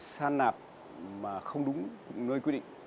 san nạp mà không đúng nơi quy định